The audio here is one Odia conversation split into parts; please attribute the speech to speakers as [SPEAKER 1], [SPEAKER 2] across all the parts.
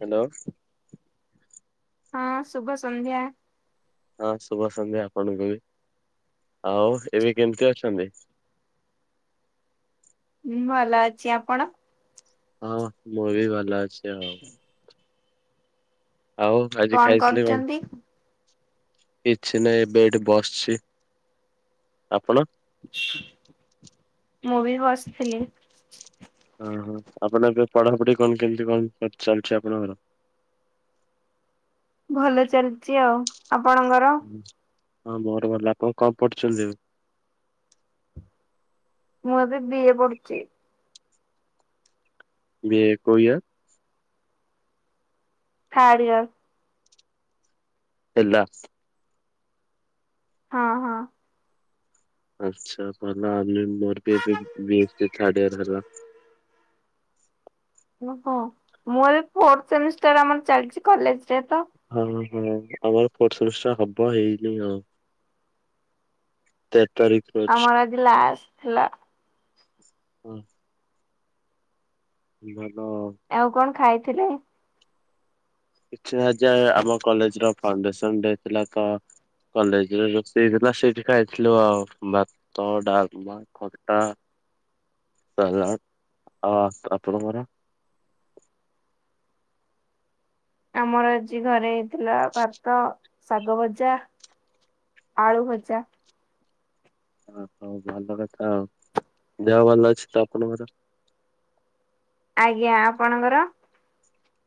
[SPEAKER 1] ହ୍ୟାଲୋ।
[SPEAKER 2] ହଁ ଶୁଭ ସନ୍ଧ୍ୟା।
[SPEAKER 1] ହଁ ଶୁଭ ସନ୍ଧ୍ୟା ଆପଣଙ୍କୁ ବି ଆଉ ଏବେ କେମିତି ଅଛନ୍ତି।
[SPEAKER 2] ହୁଁ ଭଲ ଅଛି ଆପଣ।
[SPEAKER 1] ହଁ ମୁଁ ବି ଭଲ ଅଛି ଆଉ। ଆଉ ଆଜି
[SPEAKER 2] କଣ
[SPEAKER 1] ଖାଇଥିଲେ କଣ?
[SPEAKER 2] କରୁଛନ୍ତି?
[SPEAKER 1] କିଛି ନାହିଁ ଏବେ ଏଠି ବସିଛି ଆପଣ।
[SPEAKER 2] ମୁଁ ବି ବସିଥିଲି।
[SPEAKER 1] ଅହଁ ଆପଣ ଏବେ ପଢାପଢି କଣ କେମିତି କଣ ଚାଲିଛି ଆପଣଙ୍କର?
[SPEAKER 2] ଭଲ ଚାଲିଛି ଆଉ ଆପଣଙ୍କର?
[SPEAKER 1] ହଁ ମୋର ଭଲ ଆପଣ କଣ ପଢୁଛନ୍ତି ଏବେ?
[SPEAKER 2] ମୁଁ ଏବେ ବି ଏ ପଢୁଛି।
[SPEAKER 1] ବିଏ କୋଉ ଇଅର?
[SPEAKER 2] Third year.
[SPEAKER 1] ହେଲା।
[SPEAKER 2] ହଁ ହଁ।
[SPEAKER 1] ଆଚ୍ଛା ଭଲ ଆମେ ମୋର ବି ଏ ଥାର୍ଡ ଇଅର ହେଲା।
[SPEAKER 2] ଓହଁ ମୁଁ ଏବେ ଫୋର୍ଥ ସେମିଷ୍ଟାର ଆମର ଚାଲିଛି କଲେଜରେ ତ।
[SPEAKER 1] ହଁ ହଁ ଆମର ଫୋର୍ଥ ସେମିଷ୍ଟାର ହବ ହେଇନି ଆଉ। ତେର ତାରିଖ ରୁ ଅଛି
[SPEAKER 2] ଆମର ଆଜି ଲାଷ୍ଟ ଥିଲା।
[SPEAKER 1] ହ। ଭଲ।
[SPEAKER 2] ଆଉ କଣ ଖାଇଥିଲେ?
[SPEAKER 1] ଆଛା ଆଛା ଆମ କଲେଜ ର ଫାଉଣ୍ଡେସନ ଡେ ଥିଲା ତ। କଲେଜ ରେ ରୋଷେଇ ହେଇଥିଲା ସେଇଠି ଖାଇଥିଲୁ ଆଉ ଭାତ ଡାଲମା। ଆଉ ଖଟା ଆ ଆଉ ଆପଣଙ୍କର?
[SPEAKER 2] ଆମର ଆଜି ଘରେ ହେଇଥିଲା ଭାତ, ଶାଗ ଭଜା। ଆଳୁ ଭଜା।
[SPEAKER 1] ଅ ହଉ ଭଲ କଥା ଆଉ ଦେହ ଭଲ ଅଛି ତ ଆପଣଙ୍କର?
[SPEAKER 2] ଆଜ୍ଞା ଆପଣଙ୍କର?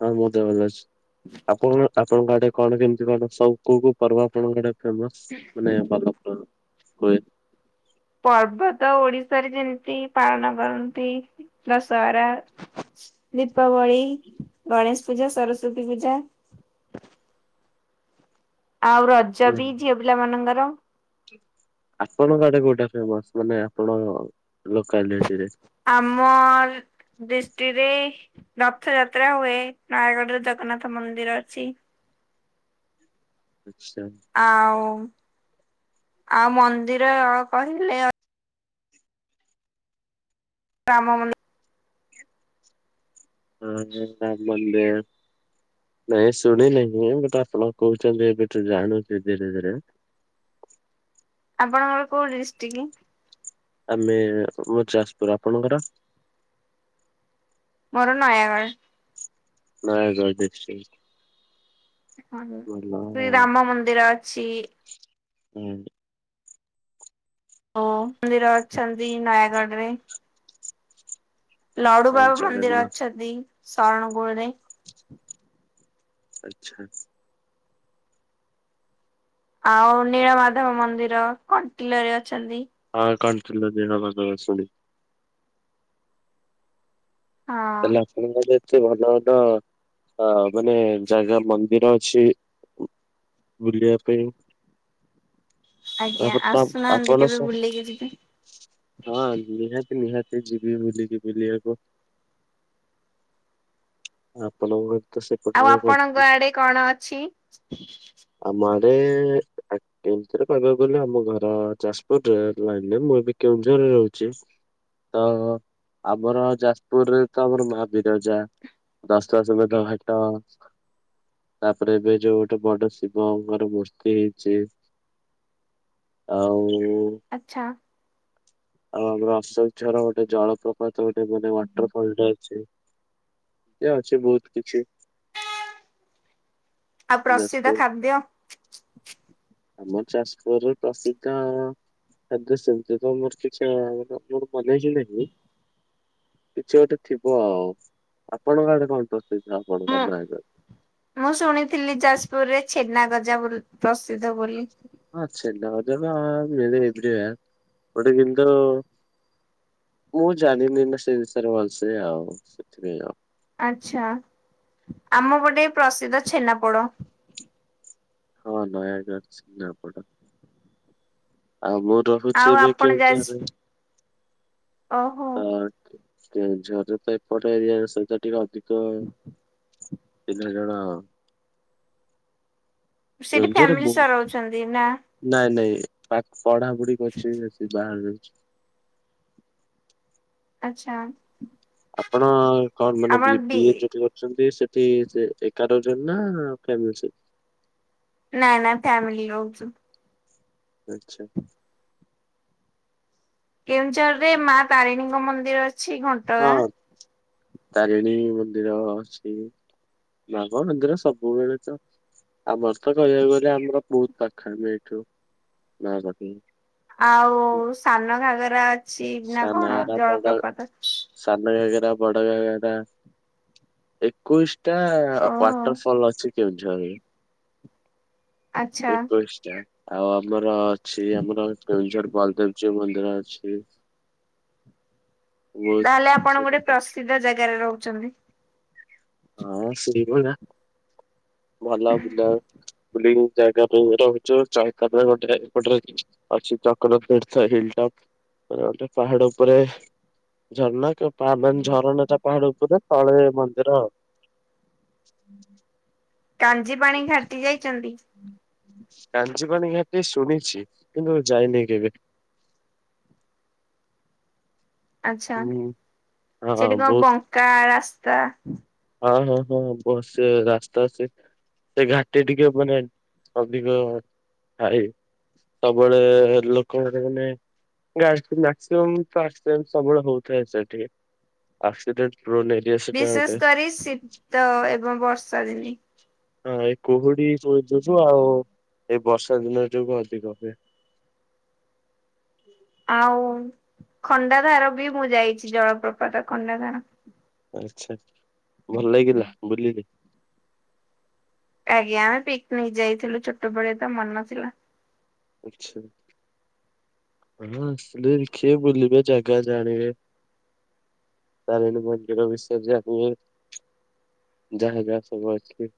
[SPEAKER 1] ହଁ ମୋ ଦେହ ଭଲ ଅଛି ଆପଣ ଆପଣଙ୍କ ଆଡେ କଣ କେମିତି କଣ ସବୁ କୋଉ କୋଉ ପର୍ବ ଆପଣଙ୍କ ଆଡେ ଫେମସ ମାନେ ଭଲ ପ ହୁଏ।
[SPEAKER 2] ପର୍ବ ତ ଓଡିଶାରେ ଯେମିତି ପାଳନ କରନ୍ତି। ଦଶହରା, ଦୀପାବଳି, ଗଣେଶ ପୂଜା ସରସ୍ଵତୀ ପୂଜା। ଆଉ ରଜ ବି ଝିଅ ପିଲା ମାନଙ୍କର।
[SPEAKER 1] ଆପଣଙ୍କ ଆଡେ କୋଉଟା ଫେମସ ମାନେ ଆପଣଙ୍କ ଲୋକାଲିଟିରେ।
[SPEAKER 2] ଆମ ଡିସଟ୍ରିକ୍ଟରେ ରଥ ଯାତ୍ରା ହୁଏ। ନୟାଗଡରେ ଜଗ ଜଗନ୍ନାଥ ମନ୍ଦିର ଅଛି।
[SPEAKER 1] ଆଛା।
[SPEAKER 2] ଆଉ ଆଉ ମନ୍ଦିର କହିଲେ ରାମ ମନ୍ଦି
[SPEAKER 1] ହ ଯେ [unintelligible] ମନ୍ଦିର। ନାଇଁ ଶୁଣିନି ଯେ ଆପଣ କହୁଛନ୍ତି ଏବେ ଜାଣୁଛି ଧୀରେ ଧୀରେ।
[SPEAKER 2] ଆପଣଙ୍କର କୋଉ ଡିଷ୍ଟିକି?
[SPEAKER 1] ଆମେ ମୋ ଯାଜପୁର, ଆପଣଙ୍କର?
[SPEAKER 2] ମୋର ନୟାଗାଡ଼।
[SPEAKER 1] ନୟାଗଡ଼ ଡିଷ୍ଟିକ୍।
[SPEAKER 2] ଶ୍ରୀରାମ ମନ୍ଦିର ଅଛି।
[SPEAKER 1] [inaudible]
[SPEAKER 2] ଓ ମନ୍ଦିର ଅଛନ୍ତି ନୟାଗଡ଼ ରେ। ଲଡ଼ୁ
[SPEAKER 1] ହଁ
[SPEAKER 2] ବାବା ମନ୍ଦିର
[SPEAKER 1] ଜଗନ୍ନାଥ
[SPEAKER 2] ଅଛନ୍ତି ଶରଣପୁର୍ ରେ।
[SPEAKER 1] ଆଚ୍ଛା
[SPEAKER 2] ଆଉ ନୀଳମାଧବ ମନ୍ଦିର କଣ୍ଟିଲୋ ରେ ଅଛନ୍ତି।
[SPEAKER 1] ଅଁ କଣ୍ଟିଲୋ ନୀଳମାଧବ ଅଛନ୍ତି।
[SPEAKER 2] ହଁ
[SPEAKER 1] ତାହେଲେ ଆପଣଙ୍କ ଗାଁ ରେ ଏତେ ଭଲ ଭଲ ଆ ମାନେ ଜାଗା ମନ୍ଦିର ଅଛି ବୁଲିବା ପାଇଁ। [inaudible]
[SPEAKER 2] ଆଜ୍ଞା
[SPEAKER 1] ତାପରେ ତାପ୍
[SPEAKER 2] ଆସୁନାହାନ୍ତି
[SPEAKER 1] ଆପଣ
[SPEAKER 2] କେବେ
[SPEAKER 1] ସ
[SPEAKER 2] ବୁଲିକି ଯିବେ।
[SPEAKER 1] ହଁ ନିହାତି ନିହାତି। ସେ ଯିବେ ବୁଲିକି ବୁଲିଆକୁ। ଆପଣଙ୍କୁ।
[SPEAKER 2] ଆଉ ଆପଣଙ୍କ ଆଡ଼େ କଣ ଅଛି?
[SPEAKER 1] ଆମ ଆଡ଼େ ଏ ଏମିତିରେ କହିବାକୁ ଗଲେ ଆମ ଘର ଯାଜପୁରରେ ଲାଇନ୍ ରେ ମୁଁ ଏବେ କେଉଁଝର୍ ରେ ରହୁଛି। ତ ଆମର ଯାଜ୍ ପୁର୍ ରେ ତ ଆମର ମା ବୀରଯା, ଦସ୍ଵାସମେତ ଘାଟ ତାପରେ ଏବେ ଯୋଉ ଗୋଟେ ବଡ଼ ଶିବଙ୍କର ମୂର୍ତ୍ତି ହେଇଚି। ଆ ଉ
[SPEAKER 2] ଆଚ୍ଛା।
[SPEAKER 1] ଆ ରସ ବିଚାର ଗୋଟେ ଜଳପ୍ରପାତ ଗୋଟେ ବୋଧେ ବ ଆଉ କଣ ଟା ଅଛି? ଏ ଆଛି ବହୁତ୍ କିଛି।
[SPEAKER 2] ଆଉ ପ୍ରସିଦ୍ଦ
[SPEAKER 1] ଯାଜପୁର
[SPEAKER 2] ଖାଦ୍ୟ।
[SPEAKER 1] ଆମର ଯାଜପୁର ରେ ପ୍ରସିଦ୍ଦ ଖାଦ୍ୟ ସେମତି ମୋର କିଛି ଯୋଉ [unintelligible] କିଛି ଗୋଟେ ଥିବ ଆଉ ଆପଣଙ୍କ ଆଡ଼େ କଣ ପ୍ରସିଦ୍ଦ
[SPEAKER 2] ମୁଁ
[SPEAKER 1] ଆପଣଙ୍କ ଗାଁ ରେ?
[SPEAKER 2] ମୁଁ ଶୁଣିଥିଲି ଯାଜପୁରରେ ଛେନାଗଜା ବୋଲ ପ୍ରସିଦ୍ଧ ବୋଲି।
[SPEAKER 1] ହଁ ଛେନା ଗଜା ଆମ ଆ ମିଳେ ପ୍ରିୟା ଗୋଟେ କିନ୍ତୁ ମୁଁ ଜାଣିନି ନା ସେ ବିଷୟରେ ଭଲସେ ଆଉ ସେଥିପାଇଁ ଆଉ
[SPEAKER 2] ଆଚ୍ଛା ଆମ ପଟେ ପ୍ରସିଦ୍ଦ ଛେନାପୋଡ଼।
[SPEAKER 1] ହଁ ଆମ ଆଡ଼େ ଅଛି ଛେନା ପୋଡ। ଆମର ରହୁଛି
[SPEAKER 2] ଆଉ
[SPEAKER 1] ଏବେ
[SPEAKER 2] ଆପଣ
[SPEAKER 1] କିନ୍ତୁ
[SPEAKER 2] ଯାଜ
[SPEAKER 1] ଏବେ
[SPEAKER 2] ଓହୋ
[SPEAKER 1] ଅ କେଉଁଝର୍ ରେ ତ ଏପଟେ ଏରିଆ ରେ ସବୁତ ଟିକେ ଅଧିକ [unintelligible]
[SPEAKER 2] ସେ ବି ଫ୍ୟାମ୍ଲି ସହ ରହୁଛନ୍ତି ନା?
[SPEAKER 1] ନାଏ ନାଇଁ ପାଠ୍ ପଢ଼ାପୁଢ଼ି କରୁଚି ସେ ବାହାନା।
[SPEAKER 2] ଆଚ୍ଛା।
[SPEAKER 1] ଆପଣ କଣ ମାନେ ବି ବିଏ ଜଟ କରୁଚନ୍ତି ସେଠି ସେ ଏକା ରହୁଚନ୍ତି ନା ଫ୍ୟାମିଲି ସହିତ।
[SPEAKER 2] ନାଁ ନାଁ ଫ୍ୟାମ୍ଲି ରହୁଛୁ।
[SPEAKER 1] ଆଛା।
[SPEAKER 2] କେଉଁଝର୍ ରେ ମାଁ ତାରିଣୀଙ୍କ ମନ୍ଦିର ଅଛି ଘନ୍
[SPEAKER 1] ହାଁ ତାରିଣୀ ମନ୍ଦିର ଅଛି। ମାଁ ଙ୍କ ମନ୍ଦିର ସବୁବେଳେ ତ ଆମର ତ କହିବାକୁ ଗଲେ ଆମର ବହୁତ ପାଖ ଆମ ଏଠୁ ମାଁ ମନ୍ଦିର।
[SPEAKER 2] ଆଉ ସାନଘାଗେରା ଅଛି ନା କଣ ଜଳପ୍ରପାତ?
[SPEAKER 1] ସାନଘାଗେରା ବଡଘାଗେରା ଏକୋଇଶ ଟା
[SPEAKER 2] ଓହୋ
[SPEAKER 1] ୱାଟରଫଲ୍ ଅଛି କେନ୍ଦୁଝରରେ।
[SPEAKER 2] ଆଚ୍ଛା।
[SPEAKER 1] ଏକୋଇଶିଟା ଆଉ ଆମର ଅଛି ଆମର କେଉଁଝର ବଲଦେବଜିଉ ମ ଦିର ଅଛି। ବହୁତ
[SPEAKER 2] ତାହେଲେ ଆପଣ ଗୋଟେ ପ୍ରସିଦ୍ଧ ଜାଗାରେ ରହୁଛନ୍ତି।
[SPEAKER 1] ହଁ ସେଇଭଳିଆ ଭଲ ବୁଲା ବୁଲି ଜାଗା ପାଇଁ ରହୁଚ ଚାରିପାଖରେ ଗୋଟେ ଏପଟରେ ଅଛି ଚକ୍ର ତୀର୍ଥ ହିଲଟପ୍ ପାହାଡ ଉପରେ ଝରଣା କେ ପା ମାନେ ଝରଣାଟା ପାହାଡ ଉପରେ ତଳେ ମନ୍ଦିର ଆଉ।
[SPEAKER 2] କାଞ୍ଜିପାଣି ଘାଟି ଯାଇଚନ୍ତି?
[SPEAKER 1] କାଞ୍ଚିପାଣି ଘାଟି ଶୁଣିଚି କିନ୍ତୁ ଯାଇନି କେବେ।
[SPEAKER 2] ଆଚ୍ଛା।
[SPEAKER 1] ହୁଁ ହଁ
[SPEAKER 2] ସେଠି କଣ
[SPEAKER 1] ବହୁତ
[SPEAKER 2] ବଙ୍କା ରାସ୍ତା।
[SPEAKER 1] ହଁ ହଁ ହଁ ବସେ ରାସ୍ତା ସେ ସେ ଘାଟି ଟିକେ ମାନେ ଅଧିକ ଥାଏ। ସବୁବେଳେ ଲୋକମାନେ [unintelligible] ମ୍ୟାକ୍ସିମମ୍ ଫାଷ୍ଟ ଟାଇମ୍ ସବୁବେଳେ ହଉଥାଏ ସେଠି। ଆକ୍ସିଡେଣ୍ଟ। [unintelligible]
[SPEAKER 2] ବିଶେଷ
[SPEAKER 1] ଗୋଟେ
[SPEAKER 2] କରି ଶୀତ ଏବଂ ବର୍ଷା ଦିନେ।
[SPEAKER 1] ହଁ ଏଇ କୁହୁଡି ବହୁତ୍ ଯୋଗୁ ଆଉ ଏଇ ବର୍ଷାଦିନେ ଯୋଗୁ ଅଧିକ ହୁଏ।
[SPEAKER 2] ଆଉ ଖଣ୍ଡାଧାର ବି ମୁଁ ଯାଇଚି ଜଳପ୍ରପାତ ଖଣ୍ଡାଧାର।
[SPEAKER 1] ଆଚ୍ଛା। ଭଲ ଲାଗିଲା ବୁଲିଲେ?
[SPEAKER 2] ଆଜ୍ଞା। ପିକନିକ୍ ଯାଇଥିଲୁ ଛୋଟବେଳେ ତ ମନେ ନଥିଲା।
[SPEAKER 1] ଆଚ୍ଛା। [unintelligible] ଆସିଲେ ଦେଖିବେ ବୁଲିିବେ ଜାଗା ଜାଣିବେ। ତାରେଣୀ ମନ୍ଦିର ବିଷୟରେ ଜାଣିବେ। ଯାହା ଯାହା ସବୁ ଅଛି।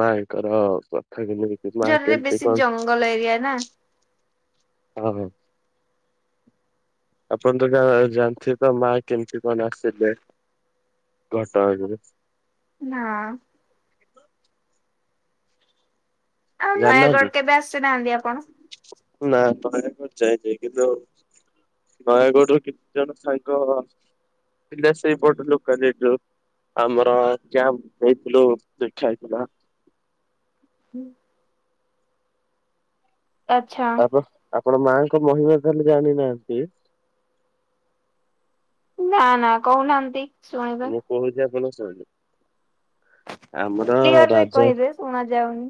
[SPEAKER 1] ମାଙ୍କର କଥା କେମିତି ମା କେମତି କଣ?
[SPEAKER 2] ଭଲ ଏରିଆ ନା।
[SPEAKER 1] ହଁ ହଁ। ଆପଣ ତ ଗାଁ ଜାଣିଥିବେ ତ ମା କେମତି କଣ ଆସିଲେ? ଘଟଗାଁ ଯିବେ।
[SPEAKER 2] ନା। ଆଉ ନୟାଗଡ
[SPEAKER 1] ଜାଣିନାହାଁନ୍ତି?
[SPEAKER 2] କେବେ ଆସିନାହାନ୍ତି ଆପଣ?
[SPEAKER 1] [unintelligible] କିନ୍ତୁ ନୟାଗଡରୁ କେତଜଣ ସାଙ୍ଗ ପିଲା ସେଇପଟ ଲୋକାଲିଟି ରୁ। ଆମର କ୍ୟାମ୍ପ ହେଇଥିଲୁ ଦେଖା ହେଇଥିଲା।
[SPEAKER 2] ହୁଁ ଆଚ୍ଛା।
[SPEAKER 1] ବ ଆପଣ ମାଙ୍କ ମହିମା ତାହେଲେ ଜାଣିନାହାଁନ୍ତି?
[SPEAKER 2] ନା ନା କହୁନାହାଁନ୍ତି ଶୁଣିବି।
[SPEAKER 1] କହୁଚି ଆପଣ ଶୁଣନ୍ତୁ। ଆମର
[SPEAKER 2] କ୍ଲିୟର ରେ
[SPEAKER 1] ରାଜା
[SPEAKER 2] କହିବେ ଶୁଣା ଯାଉନି।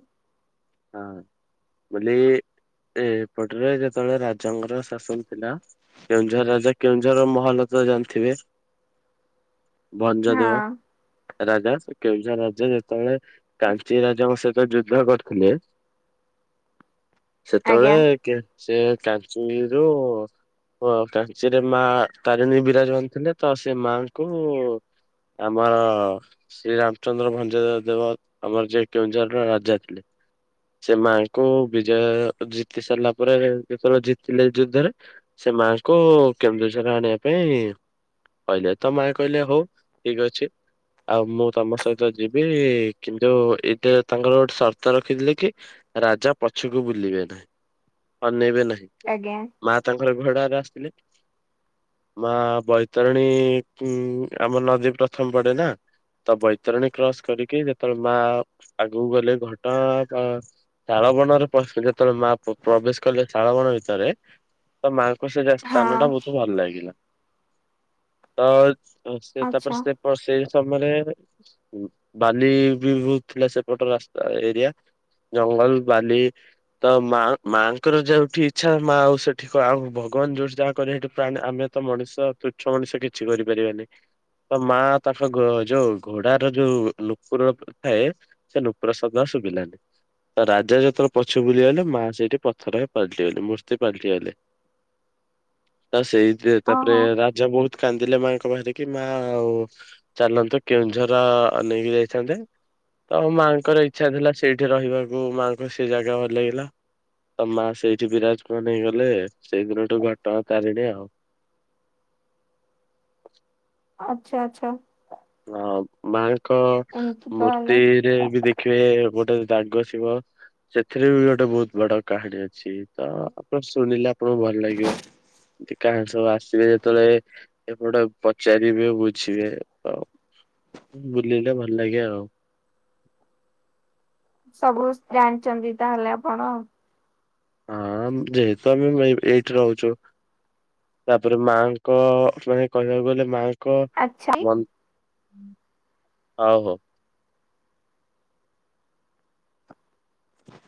[SPEAKER 1] ହଁ ବୋଲି ଏ ଏପଟେରେ ଯେତେବଳେ ରାଜାଙ୍କର ଶାସନ ଥିଲା କେଉଁଝର ରାଜା କେଉଁଝରର ମହଲ ତ ଜାଣିଥିବେ? ଭଞ୍ଜଦେଓ
[SPEAKER 2] ହଁ
[SPEAKER 1] ରାଜା ସେ କେଉଁଝର ରାଜା ଯେତେବେଳେ କାଞ୍ଚି ରାଜାଙ୍କ ସହିତ ଯୁଦ୍ଧ କରିଥିଲେ ସେତେବଳେ
[SPEAKER 2] ଆଜ୍ଞା
[SPEAKER 1] କେ ସେ କାଞ୍ଚିରୁୁ ଓ କାଞ୍ଚିରେ ମା ତାରିଣୀ ବିରାଜମାନ ଥିଲେ। ତ ସେ ମାଙ୍କୁ ଆମର ଶ୍ରୀରାମ ଚନ୍ଦ୍ରଭଞ୍ଜ ଦେବ ଆମର ଯିଏ କେଉଁଝରର ରାଜା ଥିଲେ। ସେ ମାଙ୍କୁ ବିଜୟ ଜିତି ସାରିଲାପରେ ଯେତେବେଳେ ଜିତିଲେ ଯୁଦ୍ଧରେ ସେ ମାଆଙ୍କୁ କେନ୍ଦୁଝର ଆଣିବା ପାଇଁ କହିଲେ ତ ମା କହିଲେ ହଉ ଠିକ୍ ଅଛି ଆଉ ମୁଁ ତମ ସହିତ ତ ଯିବି। କିନ୍ତୁ ଏଇଟା ତାଙ୍କର ଗୋଟେ ସର୍ତ୍ତ ରଖିଥିଲେ କି ରାଜା ପଛକୁ ବୁଲିବେ ନାହିଁ। ଅନେଇବେ ନାହିଁ।
[SPEAKER 2] ଆଜ୍ଞା।
[SPEAKER 1] ମା ତାଙ୍କର ଘୋଡ଼ାରେ ଆସିଥିଲେ। ମା ବୈତରଣୀ ଆମ ନଦୀ ପ୍ରଥମ ପଡ଼େ ନା। ତ ବୈତରଣୀ କ୍ରସ୍ କରିକି ଯେତେବେଳେ ମା ଆଗକୁ ଗଲେ ଘଟଗାଁ ଶାଳ ବଣରେ ପଶିଲେ ଯେତେବେଳେ ମା ପ୍ରବେଶ କଲେ ଶାଳ ବଣ ଭିତରେ ତ ମାଙ୍କ ସେ ଯ
[SPEAKER 2] ହଁ
[SPEAKER 1] ସ୍ଥାନ ଟା ବହୁତ ଭଲ ଲାଗିଲା ତ ହ ସେ ତାପରେ
[SPEAKER 2] ଆଚ୍ଛା
[SPEAKER 1] ସେ ସେଇ ସମୟରେ ବାଲି ବି ବହୁତ ଥିଲା ସେପଟ ରାସ୍ତା ଏରିଆ ଜଙ୍ଗଲ ବାଲି ତ ମା ମାଆଙ୍କର ଯଉଠି ଇଚ୍ଛା ମା ଆଉ ସେଠି ଆଉ ଭଗବାନ ଯଉଠି ଯାହା କ ସେଠି ପ୍ରାଣୀ ଆମେ ତ ମଣିଷ ତୃଛ ମଣିଷ କିଛି କରିପାରିବେନି ତ ମା ତାଙ୍କ ଯଉ ଘୋଡ଼ା ଯୋଉ ନୁପୁର ଥାଏ ସେ ନୁପୁର ଶଦ୍ଦ ଶୁଭିଲାନି ତ ତ ରାଜା ଯେତେବେଳେ ପଛ ବୁଲିଗଲେ ମା ସେଇଠି ପଥରରେ ପାଲଟିଗଲେ ମୂର୍ତ୍ତି ପାଲଟିଗଲେ। ତା ସେଇ ଯେ ତାପରେ
[SPEAKER 2] ଓହୋ।
[SPEAKER 1] ରାଜା ବହୁତ କାନ୍ଦିଲେ ମାଙ୍କ ପାଖରେ କି ମାଆ ଆଉ ଚାଲନ୍ତୁ କେଉଁଝର ପା ନେଇକି ଯାଇଥାନ୍ତେ। ତ ମାଆଙ୍କର ଇଚ୍ଛା ଥିଲା ସେଇଠି ରହିବାକୁ ମାଆଙ୍କ ସେ ଜାଗା ଭଲ ଲାଗିଲା। ତ ମା ସେଇଠି ବିରାଜମାନ ହେଇଗଲେ ସେଇଦିନଠୁ ଘଟଗାଁ ତାରିଣୀ ଆଉ
[SPEAKER 2] ଆଚ୍ଛା ଆଚ୍ଛା।
[SPEAKER 1] ହଁ ମାଆଙ୍କ
[SPEAKER 2] ଏମିତି ତାହେଲେ।
[SPEAKER 1] ମୂର୍ତ୍ତି ରେ ବି ଦେଖ ଦେଖିବେ ଗୋଟେ ଦାଗ ଥିବ। ସେଥିରେ ବି ଗୋଟେ ବହୁତ ବଡ କାହାଣୀ ଅଛି ତ ଆପଣ ଶୁଣିଲେ ଆପଣଙ୍କୁ ଭଲ ଲାଗିବ। ଏକା ସବୁ ଆସିବେ ଯେତେବେଳେ ଏପଟେ ପଚାରିବେ ବୁଝିବେ ଆଉ ବୁଲିଲେ ଭଲ ଲାଗେ ଆଉ
[SPEAKER 2] ସବୁ ଜାଣିଛନ୍ତି ତାହେଲେ ଆପଣ।
[SPEAKER 1] ହଁ ଯେହେତୁ ଆମେ ଏଇଠି ରହୁଛୁ। ତାପରେ ମାଆ ଙ୍କ ମାନେ କହିବାକୁ ଗଲେ ମାଆ
[SPEAKER 2] ଆଚ୍ଛା।
[SPEAKER 1] ମ ଆ ହୋ [unintelligible]